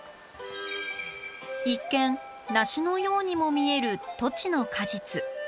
一見梨のようにも見えるトチの果実。